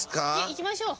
いきましょう。